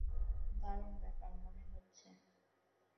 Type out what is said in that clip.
দারুণ ব্যাপার মনে হচ্ছে।